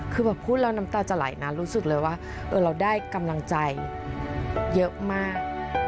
คือแบบพูดแล้วน้ำตาจะไหลนะรู้สึกเลยว่าเราได้กำลังใจเยอะมาก